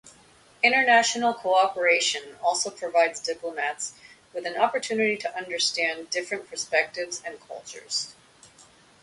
International cooperation also provides diplomats with an opportunity to understand different perspectives and cultures.